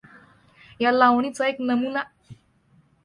या लावणीचा एक नमुना